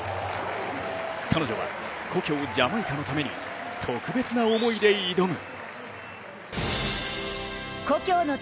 彼女は、故郷・ジャマイカのために特別な思いで挑む。